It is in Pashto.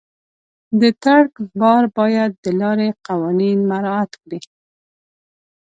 د ټرک بار باید د لارې قوانین مراعت کړي.